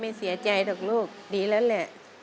ไม่เสียใจหรอกลูกดีแล้วแหละ